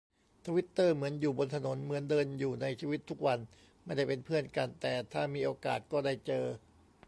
ทวิตเตอร์เหมือนอยู่บนถนน เหมือนเดินอยู่ในชีวิตทุกวัน ไม่ได้เป็นเพื่อนกัน แต่ถ้ามีโอกาสก็ได้เจอ